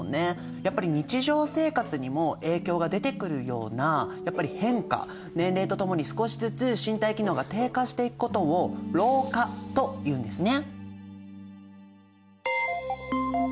やっぱり日常生活にも影響が出てくるようなやっぱり変化年齢とともに少しずつ身体機能が低下していくことを老化というんですね。